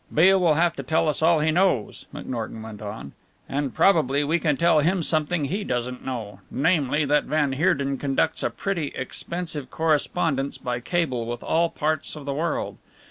"Beale will have to tell us all he knows," McNorton went on, "and probably we can tell him something he doesn't know; namely, that van Heerden conducts a pretty expensive correspondence by cable with all parts of the world.